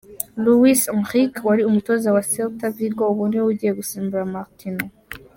Luis Enrique wari umutoza wa Celta Vigo, ubu niwe ugiye gusimbura Martino.